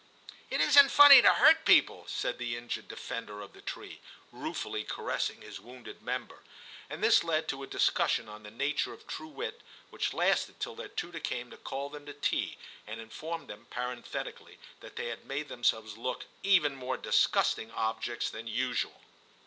* It isn't funny to hurt people,' said the injured defender of the tree, ruefully caressing his wounded member ; and this led to a dis cussion on the nature of true wit, which lasted till their tutor came to call them to tea, and inform them parenthetically that they had made themselves look * even more disgusting objects than usual.'